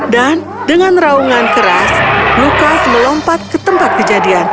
dan dengan raungan keras lukas melompat ke tempat kejadian